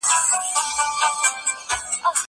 زه کتابتون ته نه ځم!